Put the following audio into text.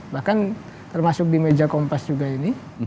bahkan termasuk di meja kompas juga ini